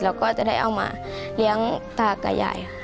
แล้วก็จะได้เอามาเลี้ยงตากับยายค่ะ